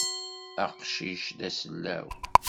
Aqcic-a d asellaw.